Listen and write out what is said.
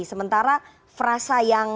sementara frasa yang